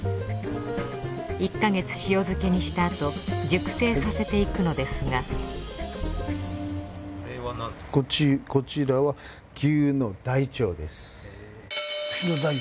１ヵ月塩漬けにしたあと熟成させていくのですがこれは何ですか？